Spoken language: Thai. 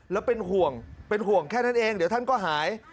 แล้วเป็นห่วงเป็นห่วงแค่นั้นเองเดี๋ยวท่านก็หาย